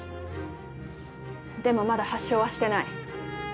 でもまだ発症はしてない。